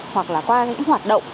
hoặc là qua những hoạt động